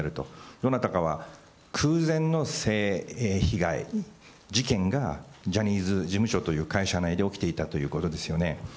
どなたかは、空前の性被害、事件がジャニーズ事務所という会社内で起きていたということですよね。